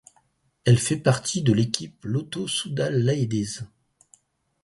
Elle fait partie de l'équipe Lotto Soudal Ladies.